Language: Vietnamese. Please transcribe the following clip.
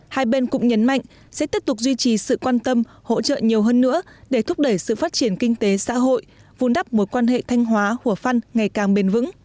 hai bên cũng nhấn mạnh sẽ tiếp tục duy trì sự quan tâm hỗ trợ nhiều hơn nữa để thúc đẩy sự phát triển kinh tế xã hội vun đắp mối quan hệ thanh hóa hủa phăn ngày càng bền vững